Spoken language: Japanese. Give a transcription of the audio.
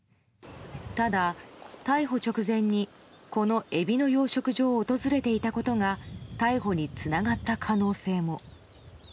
ただ、逮捕直前にこのエビの養殖場を訪れていたことが逮捕につながった可能性も。